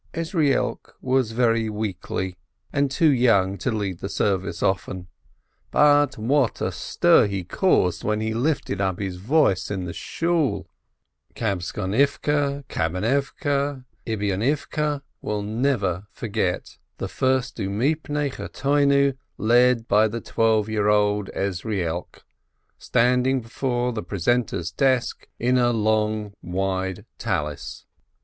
Ezrielk was very weakly, and too young to lead the service often, but what a stir he caused when he lifted up his voice in the Shool ! Kabtzonivke, Kamenivke, and Ebionivke will never forget the first U mipne Chatoenu led by the twelve year old Ezrielk, standing before the precentor's desk in a long, wide prayer scarf.